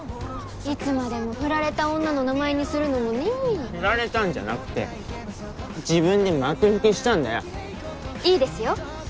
いつまでもフラれた女の名前にするのもねえフラれたんじゃなくて自分で幕引きしたんだよいいですよ